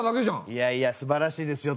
いやいやすばらしいですよ